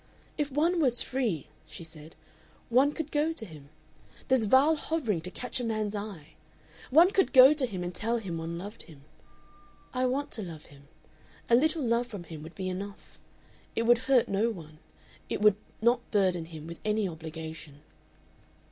"If one was free," she said, "one could go to him.... This vile hovering to catch a man's eye!... One could go to him and tell him one loved him. I want to love him. A little love from him would be enough. It would hurt no one. It would not burden him with any obligation."